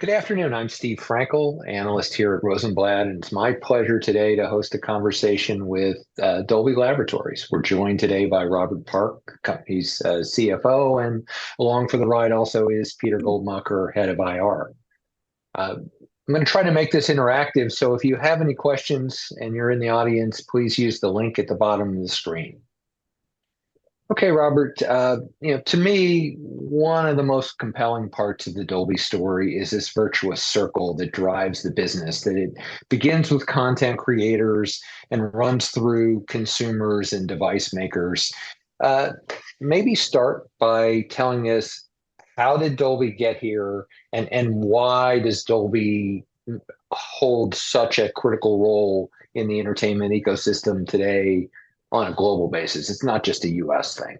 Good afternoon. I'm Steve Frankel, analyst here at Rosenblatt, and it's my pleasure today to host a conversation with Dolby Laboratories. We're joined today by Robert Park, the company's CFO, and along for the ride also is Peter Goldmacher, head of IR. I'm gonna try ,to make this interactive, so if you have any questions and you're in the audience, please use the link at the bottom of the screen. Okay, Robert, you know, to me, one of the most compelling parts of the Dolby story is this virtuous circle that drives the business, that it begins with content creators and runs through consumers and device makers. Maybe start by telling us, how did Dolby get here, and, and why does Dolby hold such a critical role in the entertainment ecosystem today on a global basis? It's not just a U.S. thing.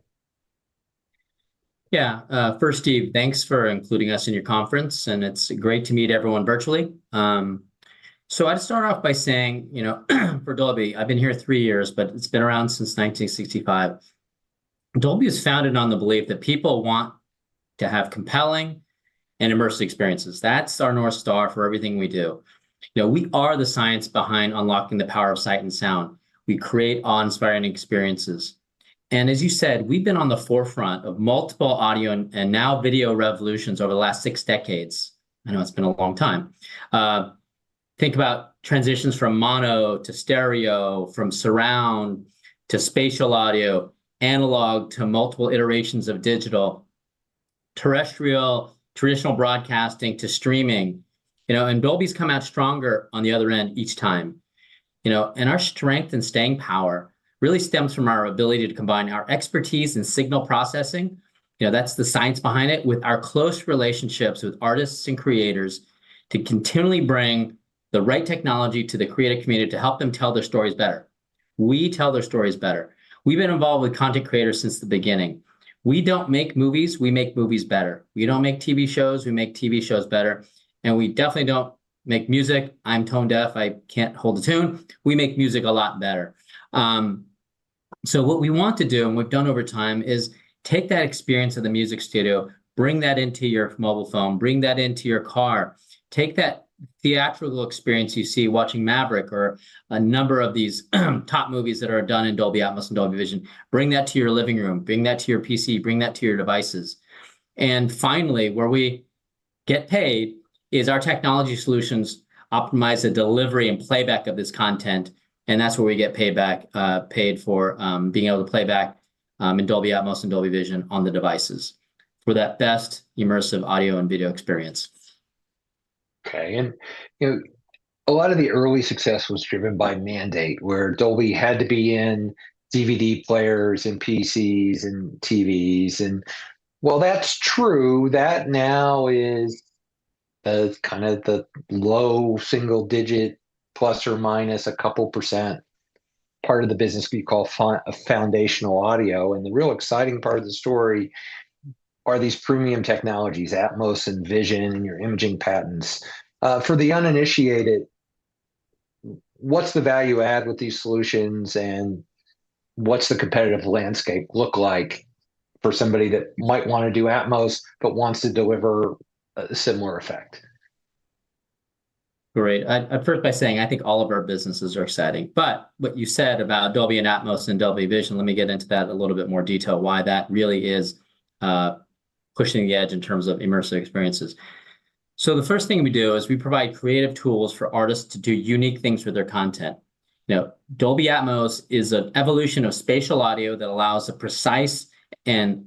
Yeah, first, Steve, thanks for including us in your conference, and it's great to meet everyone virtually. So I'd start off by saying, you know, for Dolby, I've been here three years, but it's been around since 1965. Dolby is founded on the belief that people want to have compelling and immersive experiences. That's our North Star for everything we do. You know, we are the science behind unlocking the power of sight and sound. We create awe-inspiring experiences, and as you said, we've been on the forefront of multiple audio and, and now video revolutions over the last six decades. I know it's been a long time. Think about transitions from mono to stereo, from surround to spatial audio, analog to multiple iterations of digital, terrestrial traditional broadcasting to streaming, you know, and Dolby's come out stronger on the other end each time. You know, and our strength and staying power really stems from our ability to combine our expertise in signal processing, you know, that's the science behind it, with our close relationships with artists and creators to continually bring the right technology to the creative community to help them tell their stories better. We tell their stories better. We've been involved with content creators since the beginning. We don't make movies. We make movies better. We don't make TV shows. We make TV shows better, and we definitely don't make music. I'm tone deaf. I can't hold a tune. We make music a lot better. So what we want to do, and we've done over time, is take that experience of the music studio, bring that into your mobile phone, bring that into your car. Take that theatrical experience you see watching Maverick or a number of these top movies that are done in Dolby Atmos and Dolby Vision, bring that to your living room, bring that to your PC, bring that to your devices. And finally, where we get paid is our technology solutions optimize the delivery and playback of this content, and that's where we get paid for being able to play back in Dolby Atmos and Dolby Vision on the devices for that best immersive audio and video experience. Okay, and, you know, a lot of the early success was driven by mandate, where Dolby had to be in DVD players and PCs and TVs. And while that's true, that now is the kind of the low single-digit, plus or minus a couple%, part of the business we call foundational audio, and the real exciting part of the story are these premium technologies, Atmos and Vision, and your imaging patents. For the uninitiated, what's the value add with these solutions, and what's the competitive landscape look like for somebody that might wanna do Atmos but wants to deliver a similar effect? Great. I'd start by saying, I think all of our businesses are exciting, but what you said about Dolby Atmos and Dolby Vision, let me get into that in a little bit more detail, why that really is pushing the edge in terms of immersive experiences, so the first thing we do is we provide creative tools for artists to do unique things with their content. You know, Dolby Atmos is an evolution of spatial audio that allows the precise placement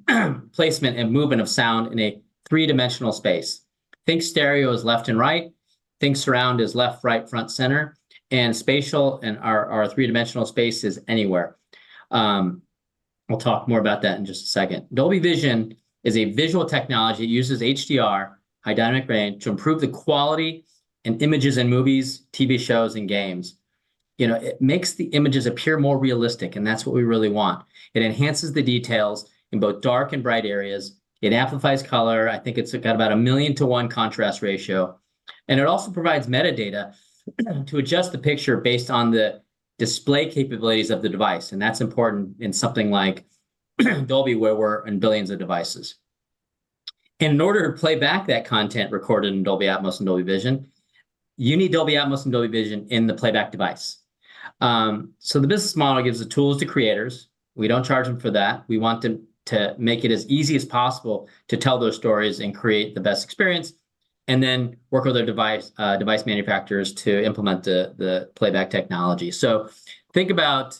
and movement of sound in a three-dimensional space. Think stereo as left and right, think surround as left, right, front, center, and spatial audio, our three-dimensional space is anywhere. I'll talk more about that in just a second. Dolby Vision is a visual technology. It uses HDR, high dynamic range, to improve the quality in images in movies, TV shows, and games. You know, it makes the images appear more realistic, and that's what we really want. It enhances the details in both dark and bright areas. It amplifies color. I think it's got about a million-to-one contrast ratio, and it also provides metadata to adjust the picture based on the display capabilities of the device, and that's important in something like Dolby, where we're in billions of devices. And in order to play back that content recorded in Dolby Atmos and Dolby Vision, you need Dolby Atmos and Dolby Vision in the playback device. So the business model gives the tools to creators. We don't charge them for that. We want them to make it as easy as possible to tell those stories and create the best experience, and then work with their device manufacturers to implement the playback technology. So think about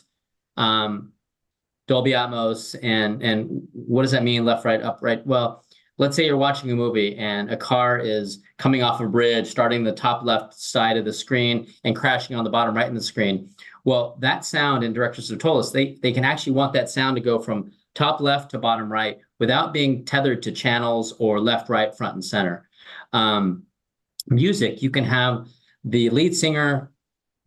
Dolby Atmos, and what does that mean, left, right, up, right? Well, let's say you're watching a movie, and a car is coming off a bridge, starting the top left side of the screen and crashing on the bottom right of the screen. Well, that sound, and directors have told us, they can actually want that sound to go from top left to bottom right without being tethered to channels or left, right, front, and center. Music, you can have the lead singer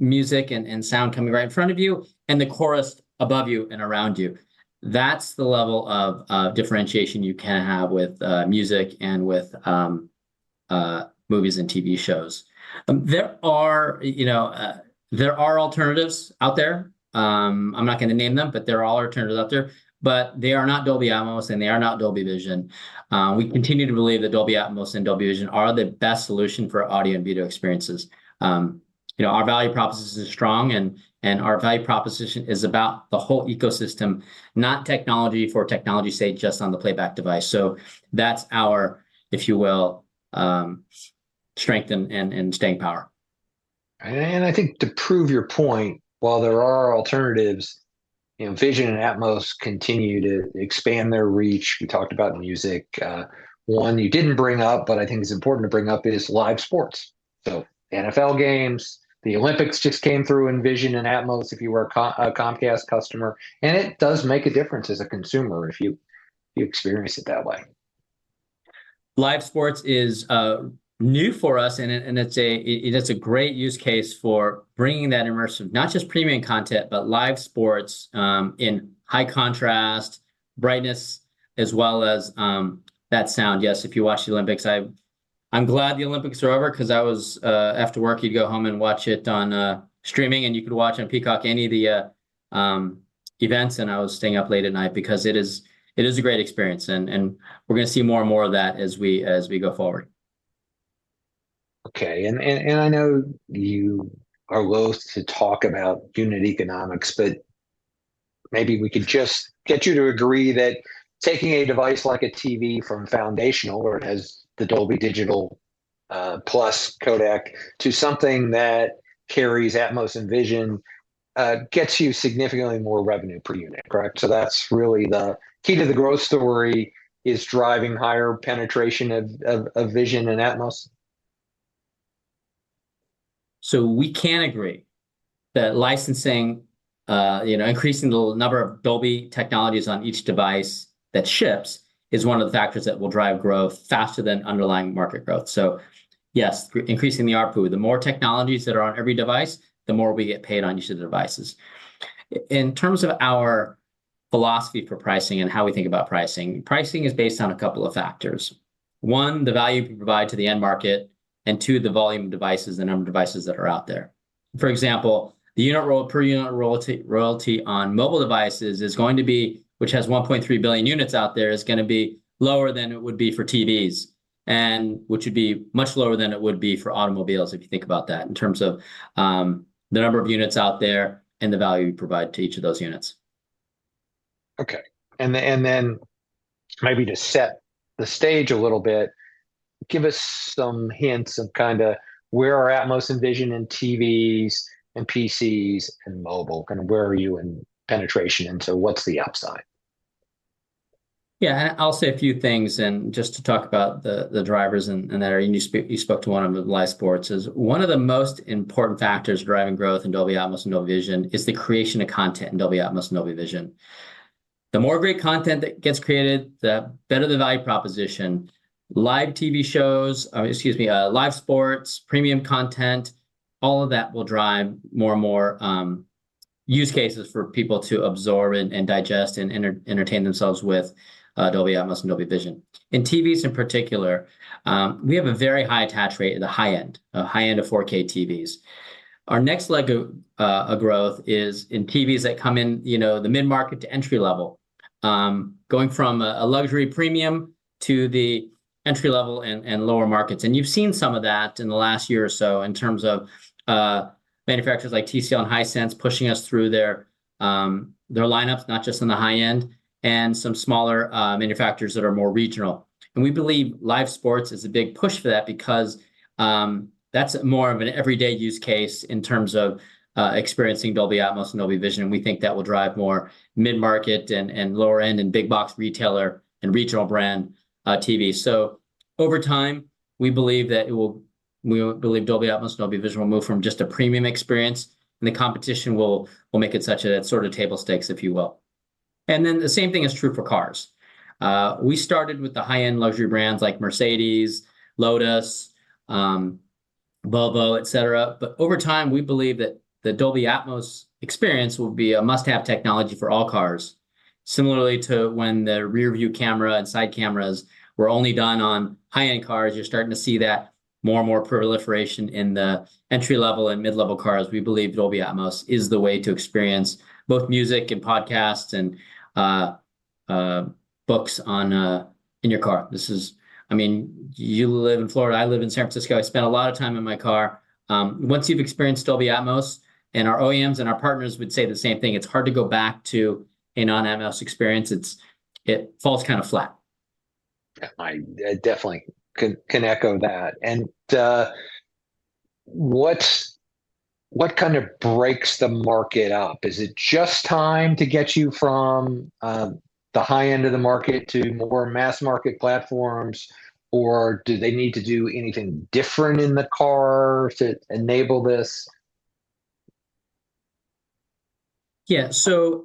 music and sound coming right in front of you and the chorus above you and around you. That's the level of differentiation you can have with music and with movies and TV shows. There are. You know, there are alternatives out there. I'm not gonna name them, but there are alternatives out there, but they are not Dolby Atmos, and they are not Dolby Vision. We continue to believe that Dolby Atmos and Dolby Vision are the best solution for audio and video experiences. You know, our value proposition is strong, and our value proposition is about the whole ecosystem, not technology for technology's sake, just on the playback device. So that's our, if you will, strength and staying power. I think to prove your point, while there are alternatives, you know, Vision and Atmos continue to expand their reach. We talked about music. One you didn't bring up, but I think is important to bring up, is live sports. NFL games, the Olympics just came through in Vision and Atmos, if you were a Comcast customer, and it does make a difference as a consumer if you experience it that way. Live sports is new for us, and it's a great use case for bringing that immersive, not just premium content, but live sports, in high contrast, brightness, as well as that sound. Yes, if you watched the Olympics, I'm glad the Olympics are over, 'cause I was. After work, you'd go home and watch it on streaming, and you could watch on Peacock any of the events, and I was staying up late at night because it is a great experience, and we're gonna see more and more of that as we go forward. Okay, I know you are loath to talk about unit economics, but maybe we could just get you to agree that taking a device like a TV from foundational, where it has the Dolby Digital Plus codec, to something that carries Atmos and Vision, gets you significantly more revenue per unit, correct? So that's really the key to the growth story, is driving higher penetration of Vision and Atmos. So we can agree that licensing, you know, increasing the number of Dolby technologies on each device that ships is one of the factors that will drive growth faster than underlying market growth. So yes, increasing the ARPU. The more technologies that are on every device, the more we get paid on each of the devices. In terms of our philosophy for pricing and how we think about pricing, pricing is based on a couple of factors. One, the value we provide to the end market, and two, the volume of devices, the number of devices that are out there. For example, the per-unit royalty on mobile devices, which has 1.3 billion units out there, is gonna be lower than it would be for TVs, and which would be much lower than it would be for automobiles if you think about that in terms of the number of units out there and the value you provide to each of those units. Okay, and then maybe to set the stage a little bit, give us some hints of kinda where are Atmos and Vision in TVs and PCs and mobile, and where are you in penetration, and so what's the upside? Yeah, I'll say a few things, and just to talk about the drivers and that, and you spoke to one of them. Live sports is one of the most important factors driving growth in Dolby Atmos and Dolby Vision. The creation of content in Dolby Atmos and Dolby Vision is the creation of content in Dolby Atmos and Dolby Vision. The more great content that gets created, the better the value proposition. Live TV shows, excuse me, live sports, premium content, all of that will drive more and more use cases for people to absorb and digest and entertain themselves with Dolby Atmos and Dolby Vision. In TVs in particular, we have a very high attach rate at the high end, high end of 4K TVs. Our next leg of growth is in TVs that come in, you know, the mid-market to entry-level. Going from a luxury premium to the entry-level and lower markets, and you've seen some of that in the last year or so in terms of manufacturers like TCL and Hisense pushing us through their lineup, not just on the high end, and some smaller manufacturers that are more regional. We believe live sports is a big push for that because that's more of an everyday use case in terms of experiencing Dolby Atmos and Dolby Vision, and we think that will drive more mid-market and lower-end, and big box retailer and regional brand TV. So over time, we believe Dolby Atmos and Dolby Vision will move from just a premium experience, and the competition will make it such a sort of table stakes, if you will. And then the same thing is true for cars. We started with the high-end luxury brands like Mercedes, Lotus, Volvo, et cetera, but over time, we believe that the Dolby Atmos experience will be a must-have technology for all cars. Similarly to when the rear-view camera and side cameras were only done on high-end cars, you are starting to see that more and more proliferation in the entry-level and mid-level cars. We believe Dolby Atmos is the way to experience both music and podcasts and books on in your car. This is. I mean, you live in Florida, I live in San Francisco. I spend a lot of time in my car. Once you have experienced Dolby Atmos, and our OEMs and our partners would say the same thing, it is hard to go back to a non-Atmos experience. It falls kind of flat. I definitely can echo that. And what kind of breaks the market up? Is it just time to get you from the high end of the market to more mass-market platforms, or do they need to do anything different in the car to enable this? Yeah, so,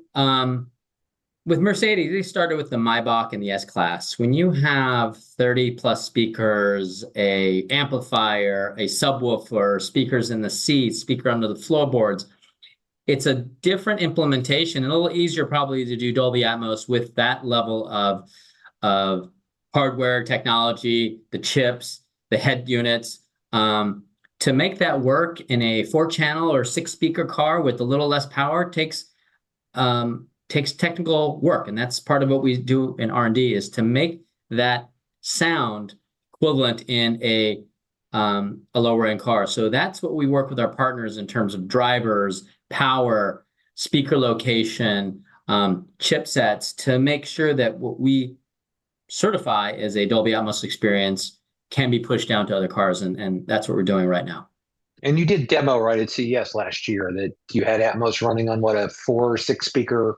with Mercedes, they started with the Maybach and the S-Class. When you have 30-plus speakers, an amplifier, a subwoofer, speakers in the seats, speaker under the floorboards, it's a different implementation, and a little easier probably to do Dolby Atmos with that level of hardware, technology, the chips, the head units. To make that work in a four-channel or six-speaker car with a little less power takes technical work, and that's part of what we do in R&D, is to make that sound equivalent in a lower-end car. So that's what we work with our partners in terms of drivers, power, speaker location, chipsets, to make sure that what we certify as a Dolby Atmos experience can be pushed down to other cars, and that's what we're doing right now. You did a demo, right, at CES last year, that you had Atmos running on, what, a four or six-speaker Toyota?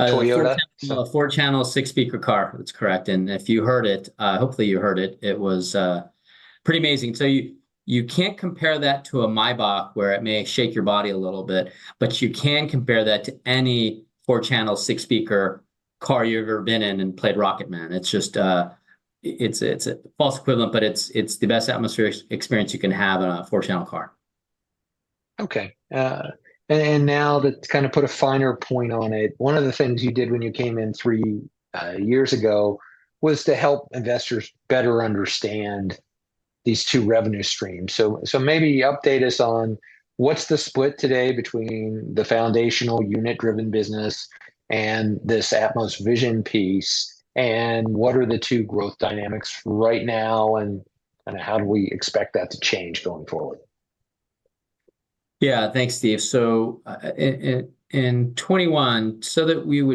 A four-channel, six-speaker car. That's correct. And if you heard it, hopefully you heard it, it was pretty amazing. So you can't compare that to a Maybach, where it may shake your body a little bit, but you can compare that to any four-channel, six-speaker car you've ever been in and played Rocket Man. It's just. it's a false equivalent, but it's the best Atmos experience you can have in a four-channel car. Okay. And now to kind of put a finer point on it, one of the things you did when you came in three years ago, was to help investors better understand these two revenue streams. So maybe update us on what's the split today between the foundational unit-driven business and this Atmos Vision piece, and what are the two growth dynamics right now, and how do we expect that to change going forward? Yeah. Thanks, Steve. So, in 2021,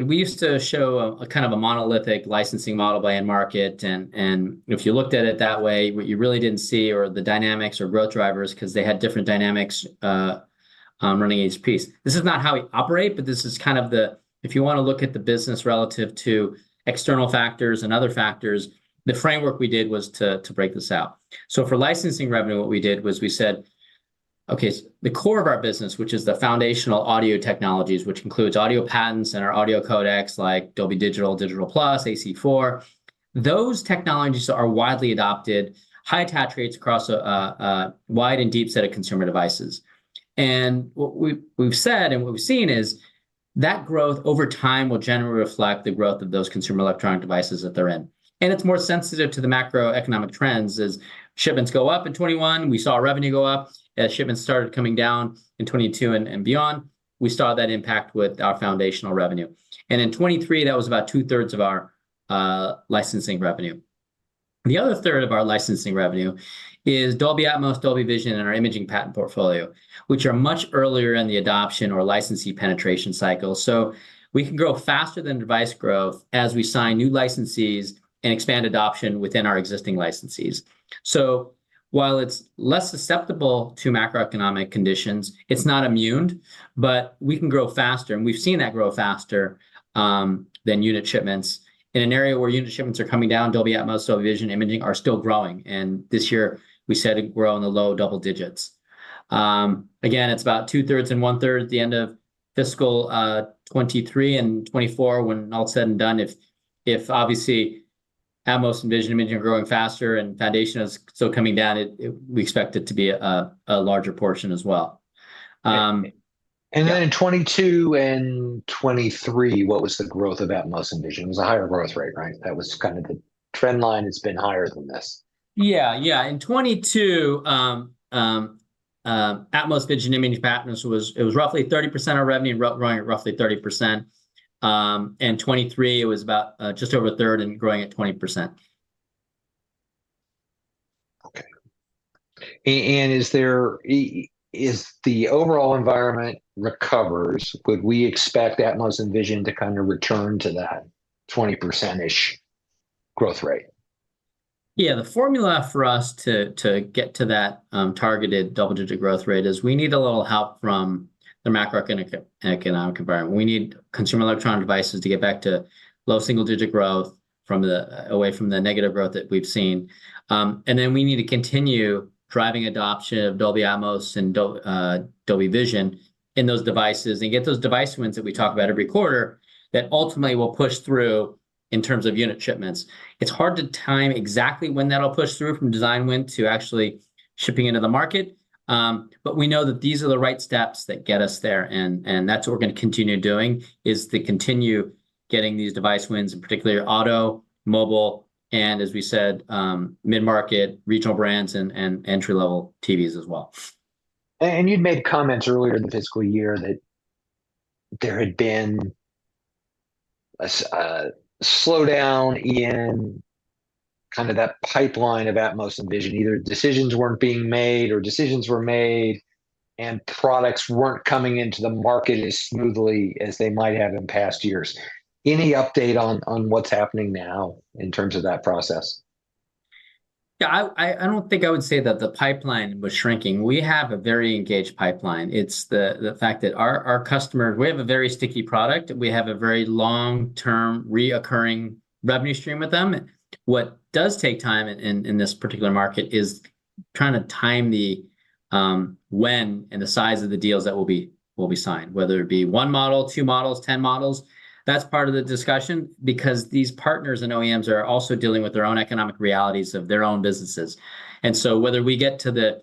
we used to show a kind of monolithic licensing model by end market, and if you looked at it that way, what you really didn't see were the dynamics or growth drivers, 'cause they had different dynamics running each piece. This is not how we operate, but this is kind of the. If you wanna look at the business relative to external factors and other factors, the framework we did was to break this out. So for licensing revenue, what we did was we said, "Okay, the core of our business, which is the foundational audio technologies, which includes audio patents and our audio codecs, like Dolby Digital, Digital Plus, AC-4, those technologies are widely adopted, high attach rates across a wide and deep set of consumer devices." And what we, we've said and what we've seen is, that growth over time will generally reflect the growth of those consumer electronic devices that they're in. And it's more sensitive to the macroeconomic trends. As shipments go up in 2021, we saw revenue go up. As shipments started coming down in 2022 and beyond, we saw that impact with our foundational revenue. And in 2023, that was about two-thirds of our licensing revenue. The other third of our licensing revenue is Dolby Atmos, Dolby Vision, and our Imaging Patent Portfolio, which are much earlier in the adoption or licensee penetration cycle. So we can grow faster than device growth as we sign new licensees and expand adoption within our existing licensees. So while it's less susceptible to macroeconomic conditions, it's not immune, but we can grow faster, and we've seen that grow faster than unit shipments. In an area where unit shipments are coming down, Dolby Atmos, Dolby Vision, Imaging are still growing, and this year we said it'd grow in the low double digits. Again, it's about two-thirds and one-third at the end of fiscal 2023 and 2024 when all is said and done. If obviously Atmos and Vision Imaging are growing faster and foundational is still coming down, we expect it to be a larger portion as well. Then in 2022 and 2023, what was the growth of Atmos and Vision? It was a higher growth rate, right? That was kind of the trend line that's been higher than this. Yeah, yeah. In 2022, Atmos, Vision, Imaging patents was. it was roughly 30% of revenue, running at roughly 30%. In 2023, it was about, just over a third and growing at 20%. Okay. And is there, if the overall environment recovers, would we expect Atmos and Vision to kind of return to that 20%-ish growth rate? Yeah, the formula for us to get to that targeted double-digit growth rate is, we need a little help from the macroeconomic environment. We need consumer electronic devices to get back to low single-digit growth away from the negative growth that we've seen. And then we need to continue driving adoption of Dolby Atmos and Dolby Vision in those devices, and get those device wins that we talk about every quarter, that ultimately will push through in terms of unit shipments. It's hard to time exactly when that'll push through, from design win to actually shipping into the market, but we know that these are the right steps that get us there. That's what we're gonna continue doing, is to continue getting these device wins, in particular auto, mobile, and, as we said, mid-market, regional brands, and entry-level TVs as well. And you'd made comments earlier in the fiscal year that there had been a slowdown in kind of that pipeline of Atmos and Vision. Either decisions weren't being made, or decisions were made and products weren't coming into the market as smoothly as they might have in past years. Any update on what's happening now in terms of that process? Yeah, I don't think I would say that the pipeline was shrinking. We have a very engaged pipeline. It's the fact that our customer. We have a very sticky product. We have a very long-term, recurring revenue stream with them. What does take time in this particular market is trying to time the when and the size of the deals that will be signed, whether it be one model, two models, 10 models. That's part of the discussion, because these partners and OEMs are also dealing with their own economic realities of their own businesses. And so whether we get to the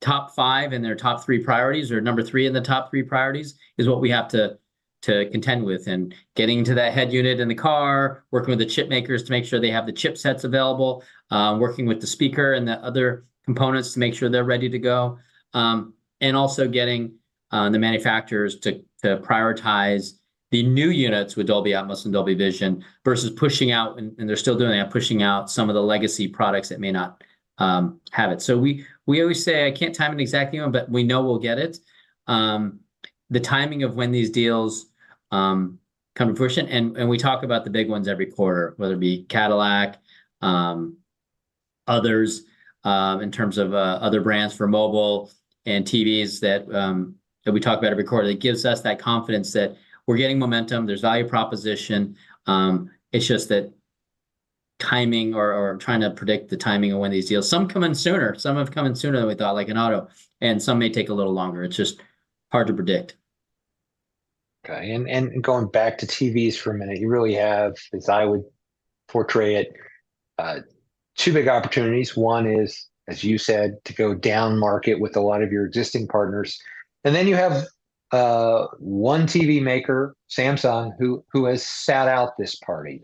top five in their top three priorities, or number three in the top three priorities, is what we have to contend with. And getting to that head unit in the car, working with the chip makers to make sure they have the chipsets available, working with the speaker and the other components to make sure they're ready to go, and also getting the manufacturers to prioritize the new units with Dolby Atmos and Dolby Vision, versus pushing out, and they're still doing that, pushing out some of the legacy products that may not have it. So we always say, "I can't time it exactly, but we know we'll get it." The timing of when these deals come to fruition, and we talk about the big ones every quarter, whether it be Cadillac, others, in terms of other brands for mobile and TVs that we talk about every quarter. That gives us that confidence that we're getting momentum, there's value proposition. It's just that timing or, or trying to predict the timing of when these deals. Some come in sooner, some have come in sooner than we thought, like in auto, and some may take a little longer. It's just hard to predict. Okay, and going back to TVs for a minute, you really have, as I would portray it, two big opportunities. One is, as you said, to go downmarket with a lot of your existing partners, and then you have one TV maker, Samsung, who has sat out this party.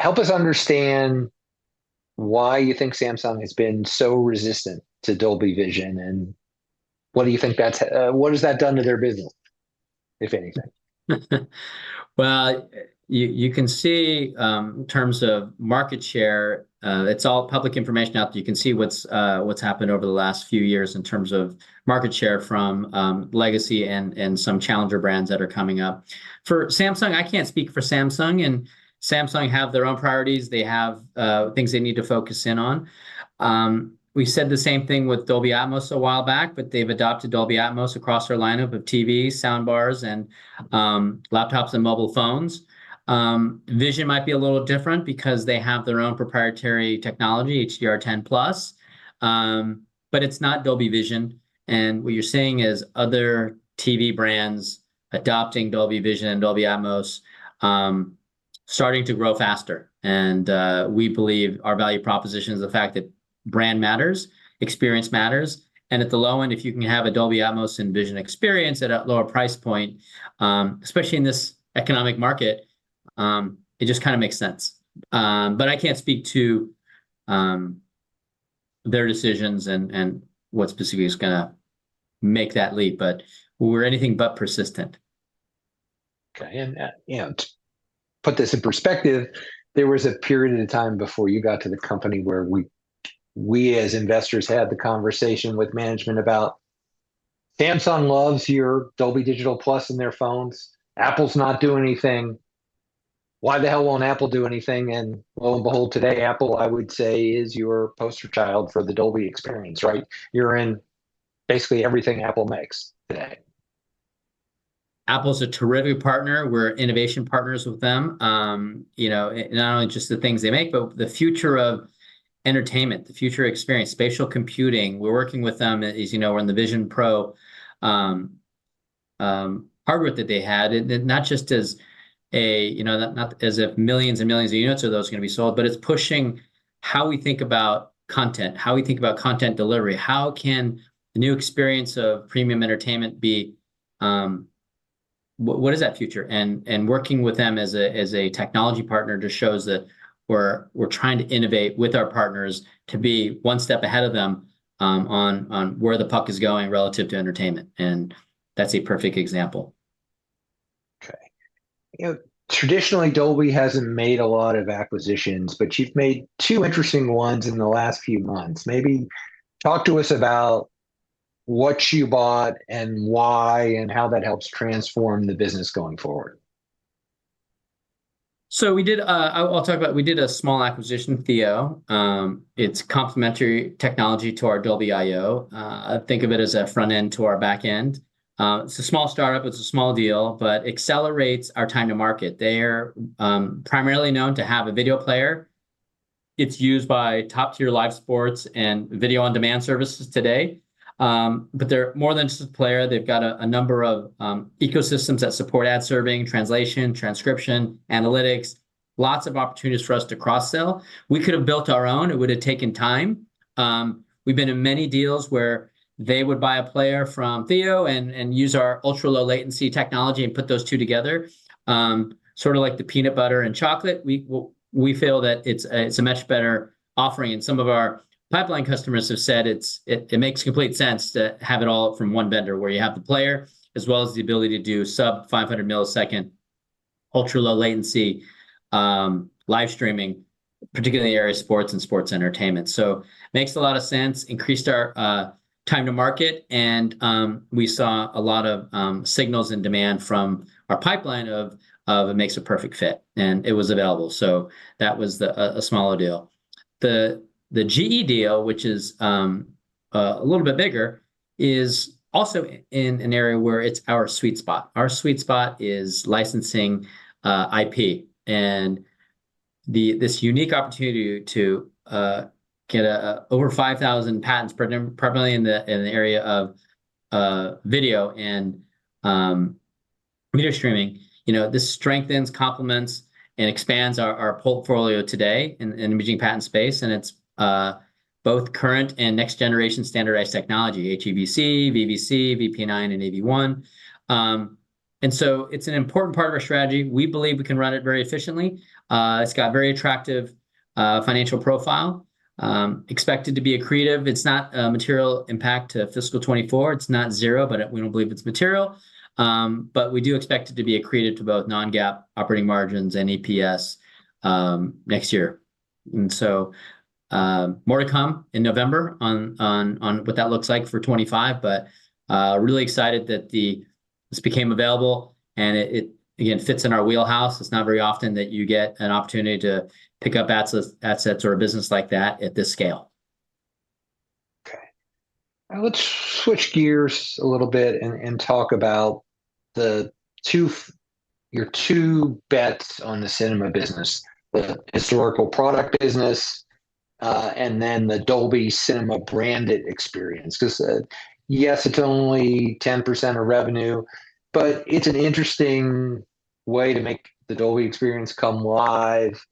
Help us understand why you think Samsung has been so resistant to Dolby Vision, and what do you think that has done to their business, if anything? You can see in terms of market share, it's all public information out there. You can see what's happened over the last few years in terms of market share from legacy and some challenger brands that are coming up. For Samsung, I can't speak for Samsung, and Samsung have their own priorities. They have things they need to focus in on. We said the same thing with Dolby Atmos a while back, but they've adopted Dolby Atmos across their lineup of TVs, soundbars, and laptops and mobile phones. Vision might be a little different because they have their own proprietary technology, HDR10+, but it's not Dolby Vision, and what you're seeing is other TV brands adopting Dolby Vision and Dolby Atmos, starting to grow faster. We believe our value proposition is the fact that brand matters, experience matters, and at the low end, if you can have a Dolby Atmos and Vision experience at a lower price point, especially in this economic market, it just kinda makes sense. But I can't speak to their decisions and what specifically is gonna make that leap, but we're anything but persistent. Okay, and, and to put this in perspective, there was a period of time before you got to the company where we as investors had the conversation with management about Samsung loves your Dolby Digital Plus in their phones. Apple's not doing anything. Why the hell won't Apple do anything? And lo and behold, today, Apple, I would say, is your poster child for the Dolby experience, right? You're in basically everything Apple makes today. Apple's a terrific partner. We're innovation partners with them. You know, not only just the things they make, but the future of entertainment, the future experience, spatial computing. We're working with them, as you know, on the Vision Pro, hardware that they had. Not just as a, you know, not as if millions and millions of units are gonna be sold, but it's pushing how we think about content, how we think about content delivery. How can the new experience of premium entertainment be? What is that future? Working with them as a technology partner just shows that we're trying to innovate with our partners to be one step ahead of them, on where the puck is going relative to entertainment, and that's a perfect example. Okay. You know, traditionally, Dolby hasn't made a lot of acquisitions, but you've made two interesting ones in the last few months. Maybe talk to us about what you bought and why, and how that helps transform the business going forward. We did a small acquisition, THEO. It's complementary technology to our Dolby.io. Think of it as a front end to our back end. It's a small start-up, it's a small deal, but accelerates our time to market. They're primarily known to have a video player. It's used by top-tier live sports and video-on-demand services today. But they're more than just a player. They've got a number of ecosystems that support ad serving, translation, transcription, analytics, lots of opportunities for us to cross-sell. We could have built our own. It would've taken time. We've been in many deals where they would buy a player from THEO and use our ultra-low latency technology and put those two together. Sort of like the peanut butter and chocolate, we feel that it's a much better offering, and some of our pipeline customers have said it makes complete sense to have it all from one vendor, where you have the player, as well as the ability to do sub-500-millisecond, ultra-low latency live streaming, particularly in the area of sports and sports entertainment. So makes a lot of sense, increased our time to market, and we saw a lot of signals and demand from our pipeline of it makes a perfect fit, and it was available, so that was a smaller deal. The GE deal, which is a little bit bigger, is also in an area where it's our sweet spot. Our sweet spot is licensing, IP, and this unique opportunity to get over five thousand patents, primarily in the area of video and media streaming. You know, this strengthens, complements, and expands our portfolio today in emerging patent space, and it's both current and next-generation standardized technology, HEVC, VVC, VP9, and AV1. So it's an important part of our strategy. We believe we can run it very efficiently. It's got very attractive financial profile. Expected to be accretive. It's not a material impact to fiscal 2024. It's not zero, but we don't believe it's material. We do expect it to be accretive to both non-GAAP operating margins and EPS next year. So, more to come in November on what that looks like for 2025. But, really excited that this became available, and it again fits in our wheelhouse. It's not very often that you get an opportunity to pick up assets or a business like that at this scale. Okay. Now let's switch gears a little bit and talk about the two of your two bets on the cinema business, the historical product business, and then the Dolby Cinema branded experience. Because, yes, it's only 10% of revenue, but it's an interesting way to make the Dolby experience come alive.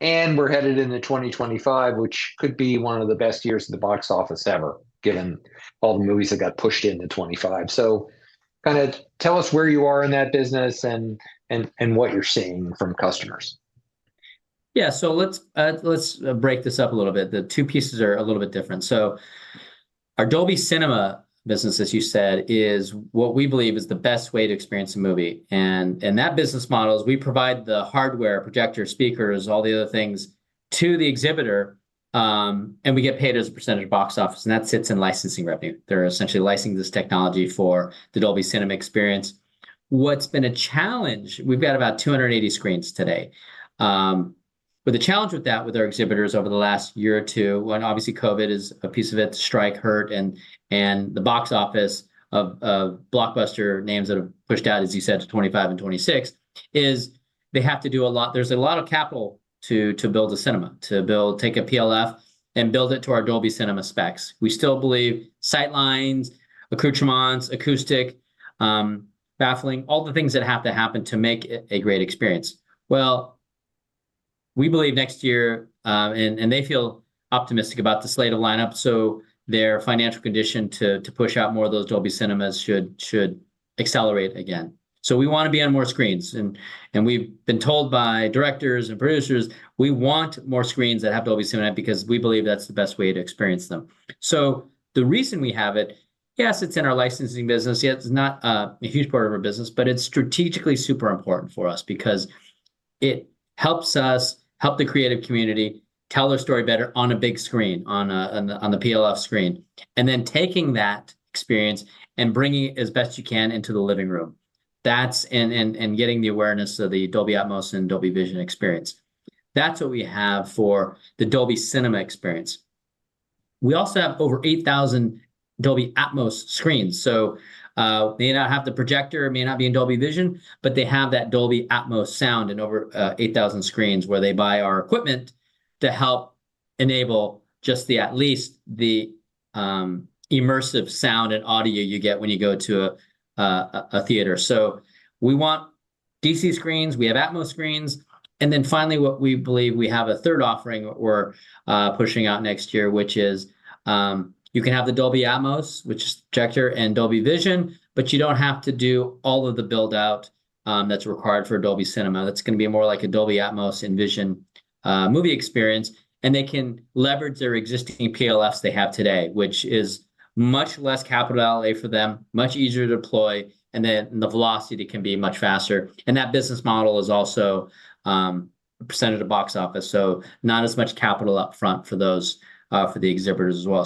We're headed into 2025, which could be one of the best years in the box office ever, given all the movies that got pushed into 2025. So tell us where you are in that business, and what you're seeing from customers. Yeah, so let's, let's break this up a little bit. The two pieces are a little bit different. So our Dolby Cinema business, as you said, is what we believe is the best way to experience a movie, and that business model is we provide the hardware, projector, speakers, all the other things, to the exhibitor, and we get paid as a percentage of box office, and that sits in licensing revenue. They're essentially licensing this technology for the Dolby Cinema experience. What's been a challenge. We've got about 280 screens today. But the challenge with that, with our exhibitors over the last year or two, when obviously COVID is a piece of it, strikes hurt, and the box office of blockbuster names that have pushed out, as you said, to 2025 and 2026, is they have to do a lot. There is a lot of capital to build a cinema, to take a PLF and build it to our Dolby Cinema specs. We still believe sight lines, accoutrements, acoustics, baffling, all the things that have to happen to make it a great experience. We believe next year, and they feel optimistic about the slate, lineup, so their financial condition to push out more of those Dolby Cinemas should accelerate again. So we wanna be on more screens, and we've been told by directors and producers, "We want more screens that have Dolby Cinema because we believe that's the best way to experience them." So the reason we have it, yes, it's in our licensing business. Yeah, it's not a huge part of our business, but it's strategically super important for us because it helps us help the creative community tell their story better on a big screen, on the PLF screen, and then taking that experience and bringing it as best you can into the living room. That's getting the awareness of the Dolby Atmos and Dolby Vision experience. That's what we have for the Dolby Cinema experience. We also have over 8,000 Dolby Atmos screens. So, may not have the projector, it may not be in Dolby Vision, but they have that Dolby Atmos sound in over 8,000 screens, where they buy our equipment to help enable just at least the immersive sound and audio you get when you go to a theater. We want DC screens. We have Atmos screens, and then finally, what we believe we have a third offering we're pushing out next year, which is you can have the Dolby Atmos, which is projector and Dolby Vision, but you don't have to do all of the build-out that's required for Dolby Cinema. That's gonna be more like a Dolby Atmos and Dolby Vision movie experience, and they can leverage their existing PLFs they have today, which is much less capital outlay for them, much easier to deploy, and then the velocity can be much faster. And that business model is also a percentage of box office, so not as much capital upfront for those for the exhibitors as well.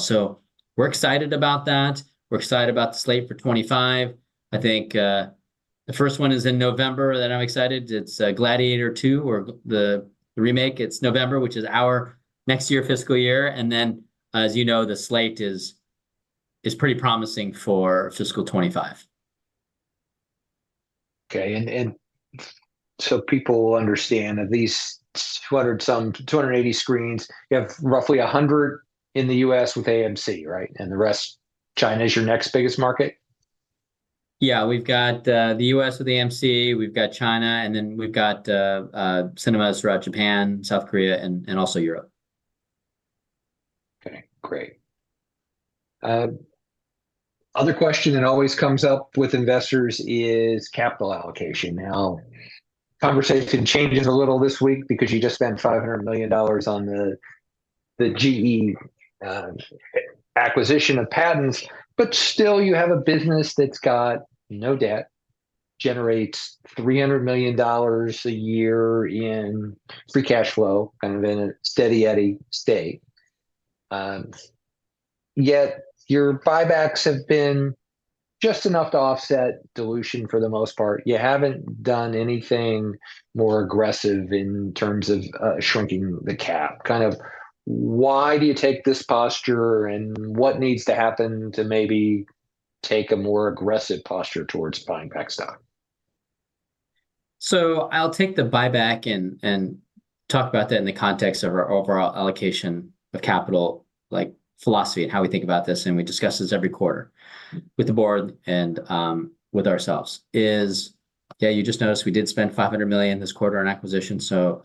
We're excited about that. We're excited about the slate for 2025. I think the first one is in November, that I'm excited. It's Gladiator II or the remake. It's November, which is our next year, fiscal year, and then, as you know, the slate is pretty promising for fiscal 2025. Okay, and so people will understand that these 200-some, 280 screens, you have roughly 100 in the U.S. with AMC, right? And the rest, China is your next biggest market? Yeah, we've got the U.S. with AMC, we've got China, and then we've got cinemas throughout Japan, South Korea, and also Europe. Okay, great. Other question that always comes up with investors is capital allocation. Now, conversation changes a little this week because you just spent $500 million on the, the GE acquisition of patents, but still you have a business that's got no debt, generates $300 million a year in free cash flow, kind of in a steady-state. Yet your buybacks have been just enough to offset dilution for the most part. You haven't done anything more aggressive in terms of shrinking the cap. Kind of, why do you take this posture, and what needs to happen to maybe take a more aggressive posture towards buying back stock? So I'll take the buyback and talk about that in the context of our overall allocation of capital, like, philosophy and how we think about this, and we discuss this every quarter with the board and with ourselves. Yeah, you just noticed we did spend $500 million this quarter on acquisition, so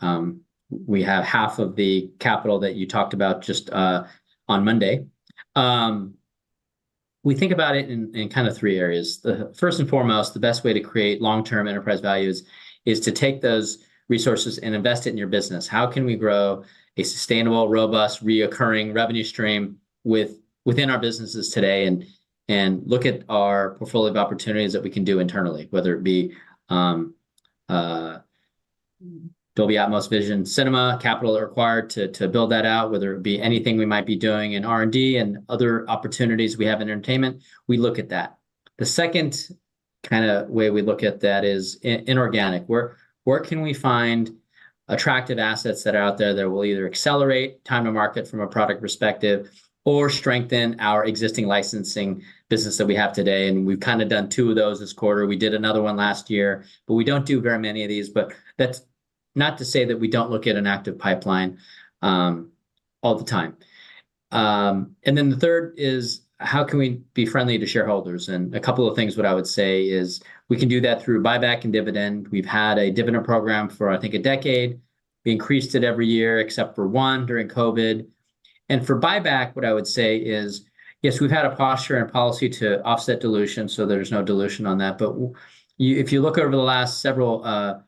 we have half of the capital that you talked about just on Monday. We think about it in kind of three areas. The first and foremost, the best way to create long-term enterprise value is to take those resources and invest it in your business. How can we grow a sustainable, robust, recurring revenue stream within our businesses today, and look at our portfolio of opportunities that we can do internally, whether it be Dolby Atmos, Vision, Cinema, capital required to build that out, whether it be anything we might be doing in R&D and other opportunities we have in entertainment, we look at that. The second kinda way we look at that is inorganic. Where can we find attractive assets that are out there that will either accelerate time to market from a product perspective or strengthen our existing licensing business that we have today? And we've kinda done two of those this quarter. We did another one last year, but we don't do very many of these, but that's not to say that we don't look at an active pipeline all the time. And then the third is, how can we be friendly to shareholders? And a couple of things what I would say is, we can do that through buyback and dividend. We've had a dividend program for, I think, a decade. We increased it every year, except for one during COVID. And for buyback, what I would say is, yes, we've had a posture and policy to offset dilution, so there's no dilution on that. But if you look over the last several ten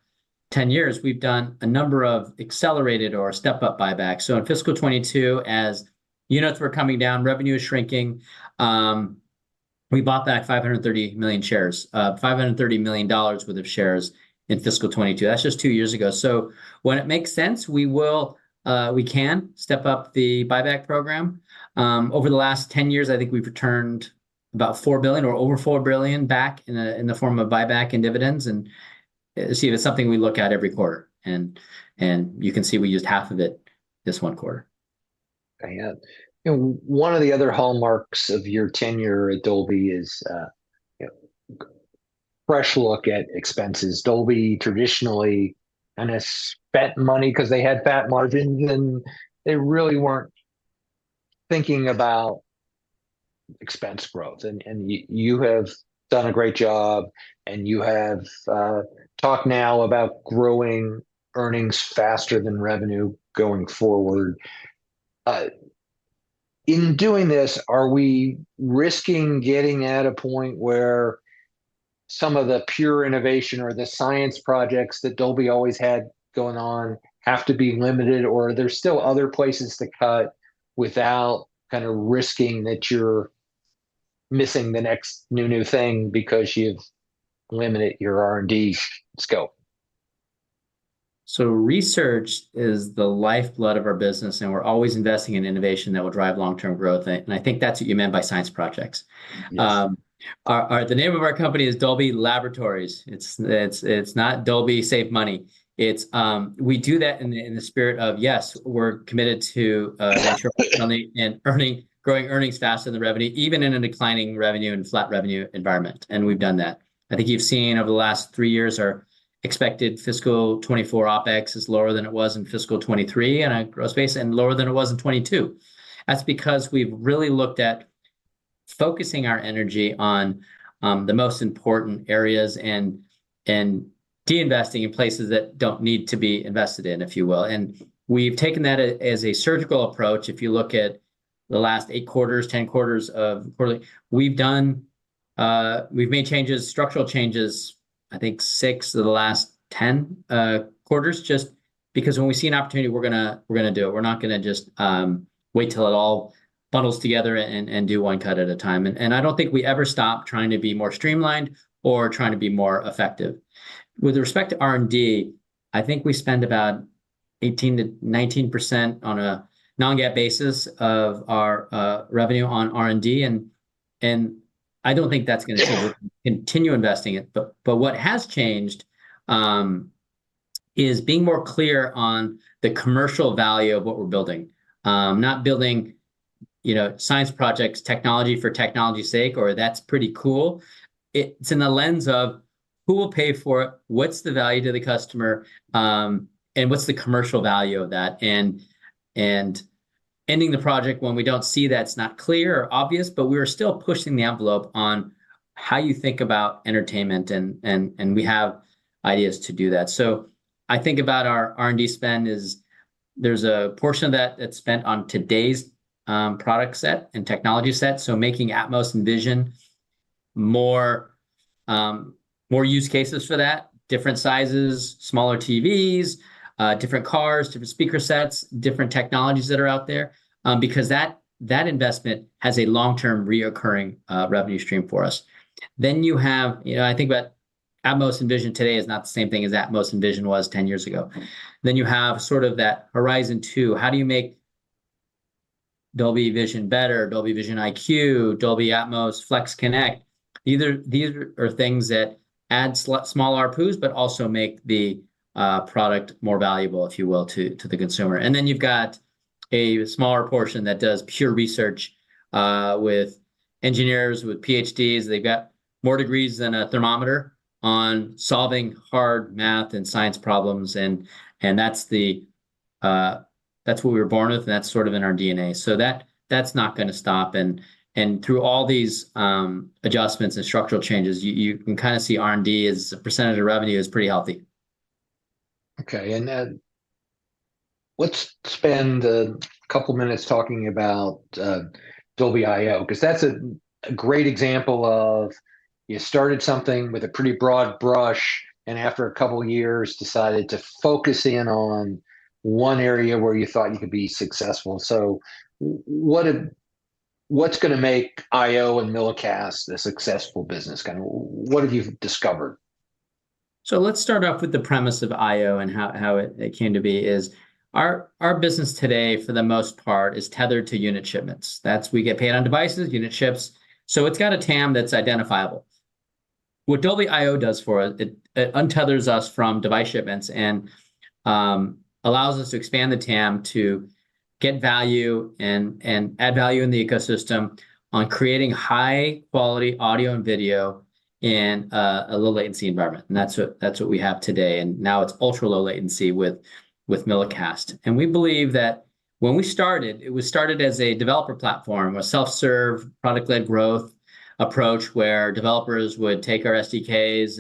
years, we've done a number of accelerated or step-up buybacks. So in fiscal 2022, as units were coming down, revenue was shrinking, we bought back $530 million worth of shares in fiscal 2022. That's just two years ago. So when it makes sense, we will, we can step up the buyback program. Over the last 10 years, I think we've returned about $4 billion or over $4 billion back in the form of buyback and dividends, and see, it's something we look at every quarter, and you can see we used half of it this one quarter. Yeah. You know, one of the other hallmarks of your tenure at Dolby is, you know, fresh look at expenses. Dolby traditionally kinda spent money 'cause they had fat margins, and they really weren't thinking about expense growth. And you have done a great job, and you have talked now about growing earnings faster than revenue going forward. In doing this, are we risking getting at a point where some of the pure innovation or the science projects that Dolby always had going on have to be limited, or are there still other places to cut without kinda risking that you're missing the next new thing because you've limited your R&D scope? So research is the lifeblood of our business, and we're always investing in innovation that will drive long-term growth, and I think that's what you meant by science projects. Yes. The name of our company is Dolby Laboratories. It's not Dolby Save Money. It's we do that in the spirit of, yes, we're committed to controlling and growing earnings faster than revenue, even in a declining revenue and flat revenue environment, and we've done that. I think you've seen over the last three years, our expected fiscal 2024 OpEx is lower than it was in fiscal 2023, and our growth pace is lower than it was in 2022. That's because we've really looked at focusing our energy on the most important areas and de-investing in places that don't need to be invested in, if you will. And we've taken that as a surgical approach. If you look at the last eight quarters, 10 quarters of quarterly, we've done, we've made changes, structural changes, I think six of the last 10 quarters, just because when we see an opportunity, we're gonna do it. We're not gonna just wait till it all bundles together and do one cut at a time. And I don't think we ever stop trying to be more streamlined or trying to be more effective. With respect to R&D, I think we spend about 18%-19% on a non-GAAP basis of our revenue on R&D, and I don't think that's gonna change. We're continue investing it. But what has changed is being more clear on the commercial value of what we're building. Not building, you know, science projects, technology for technology's sake, or that's pretty cool. It's in the lens of: Who will pay for it? What's the value to the customer? And what's the commercial value of that? And ending the project when we don't see that it's not clear or obvious, but we are still pushing the envelope on how you think about entertainment, and we have ideas to do that. So I think about our R&D spend is there's a portion of that that's spent on today's product set and technology set, so making Atmos and Vision more use cases for that, different sizes, smaller TVs, different cars, different speaker sets, different technologies that are out there, because that investment has a long-term recurring revenue stream for us. Then you have. You know, I think about Atmos and Vision today is not the same thing as Atmos and Vision was ten years ago. Then you have sort of that horizon two. How do you make Dolby Vision better, Dolby Vision IQ, Dolby Atmos, FlexConnect? These are things that add small ARPUs, but also make the product more valuable, if you will, to the consumer. And then you've got a smaller portion that does pure research with engineers, with PhDs. They've got more degrees than a thermometer on solving hard math and science problems, and that's what we were born with, and that's sort of in our DNA. So that, that's not gonna stop, and through all these adjustments and structural changes, you can kinda see R&D as a percentage of revenue is pretty healthy. Okay, and let's spend a couple minutes talking about Dolby.io, 'cause that's a great example of how you started something with a pretty broad brush, and after a couple years, decided to focus in on one area where you thought you could be successful. So what's gonna make IO and Millicast a successful business? Kinda, what have you discovered? So let's start off with the premise of Dolby.io and how it came to be. Our business today, for the most part, is tethered to unit shipments. That's how we get paid on devices, unit shipments, so it's got a TAM that's identifiable. What Dolby.io does for us, it untethers us from device shipments and allows us to expand the TAM to get value and add value in the ecosystem on creating high-quality audio and video in a low-latency environment, and that's what we have today, and now it's ultra-low latency with Millicast. We believe that when we started, it was started as a developer platform, a self-serve, product-led growth approach, where developers would take our SDKs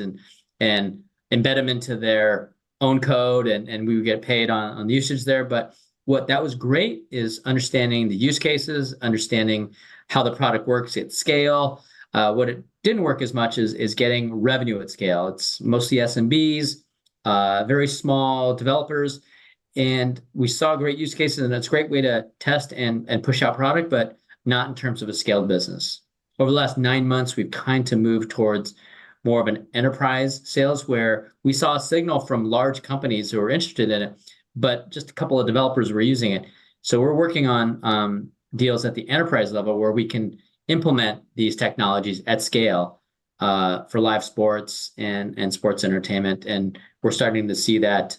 and embed them into their own code and we would get paid on the usage there. But what that was great is understanding the use cases, understanding how the product works at scale. What it didn't work as much is getting revenue at scale. It's mostly SMBs, very small developers, and we saw great use cases, and that's a great way to test and push out product, but not in terms of a scaled business. Over the last nine months, we've tried to move towards more of an enterprise sales, where we saw a signal from large companies who were interested in it, but just a couple of developers were using it. So we're working on deals at the enterprise level, where we can implement these technologies at scale, for live sports and sports entertainment, and we're starting to see that.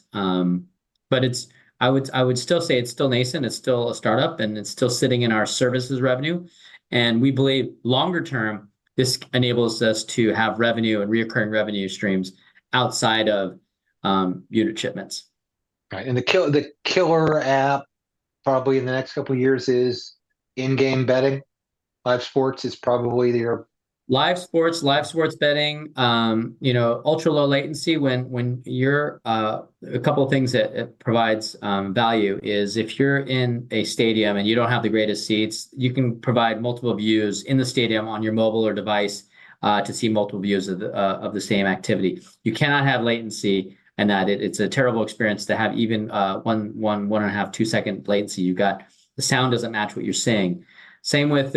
But it's. I would still say it's still nascent, it's still a startup, and it's still sitting in our services revenue, and we believe longer term, this enables us to have revenue and recurring revenue streams outside of unit shipments. Right, and the killer app probably in the next couple years is in-game betting. Live sports is probably your- Live sports, live sports betting, you know, ultra-low latency. A couple things that it provides. Value is if you're in a stadium and you don't have the greatest seats, you can provide multiple views in the stadium on your mobile or device to see multiple views of the same activity. You cannot have latency in that. It's a terrible experience to have even one and a half, two-second latency. You've got the sound doesn't match what you're seeing. Same with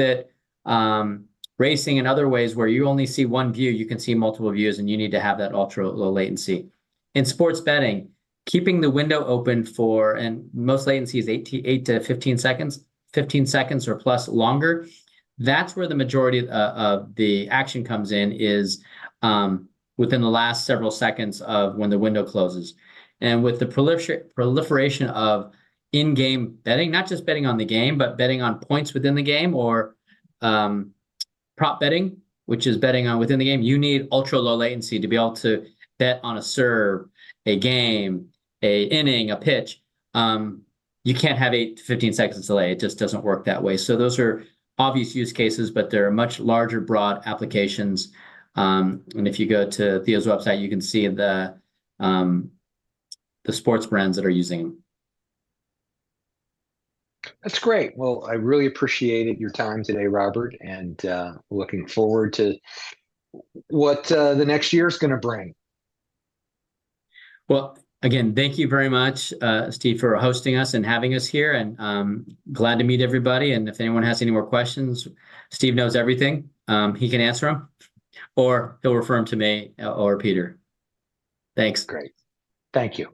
racing and other ways, where you only see one view, you can see multiple views, and you need to have that ultra-low latency. In sports betting, keeping the window open for, and most latency is eight to fifteen seconds, fifteen seconds or plus longer, that's where the majority of the action comes in, within the last several seconds of when the window closes. And with the proliferation of in-game betting, not just betting on the game, but betting on points within the game or, prop betting, which is betting on within the game, you need ultra-low latency to be able to bet on a serve, a game, an inning, a pitch. You can't have eight to fifteen seconds delay. It just doesn't work that way. So those are obvious use cases, but there are much larger, broad applications. And if you go to THEO's website, you can see the sports brands that are using them. That's great. Well, I really appreciated your time today, Robert, and looking forward to what the next year's gonna bring. Well, again, thank you very much, Steve, for hosting us and having us here, and glad to meet everybody, and if anyone has any more questions, Steve knows everything. He can answer 'em, or he'll refer 'em to me or Peter. Thanks. Great. Thank you.